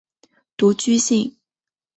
独居性。